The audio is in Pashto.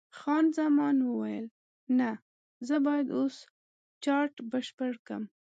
خان زمان وویل: نه، زه باید اوس چارټ بشپړ کړم.